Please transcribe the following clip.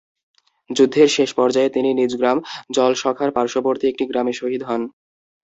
যুদ্ধের শেষ পর্যায়ে তিনি নিজ গ্রাম জলসখার পার্শ্ববর্তী একটি গ্রামে শহীদ হন।